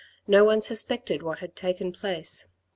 No one suspected what had taken place.